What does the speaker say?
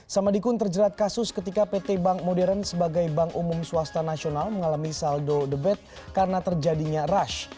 samadikun terjerat kasus ketika pt bank modern sebagai bank umum swasta nasional mengalami saldo debat karena terjadinya rush